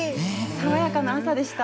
爽やかな朝でした。